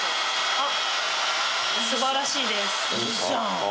あっ素晴らしいです。